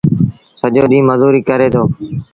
سڄو ڏيٚݩهݩ مزوريٚ ڪري دو۔